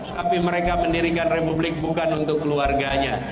tapi mereka mendirikan republik bukan untuk keluarganya